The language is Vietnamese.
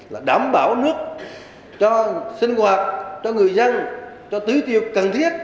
là đảm bảo nước cho sinh hoạt cho người dân cho tưới tiêu cần thiết